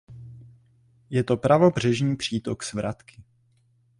Je to pravobřežní přítok Svratky.